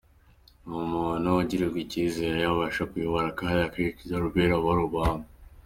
Ni umuntu ugirirwa icyizere, abasha kuyobora kandi akenshi Norbert aba ari umuhanga.